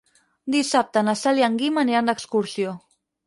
Dissabte na Cel i en Guim aniran d'excursió.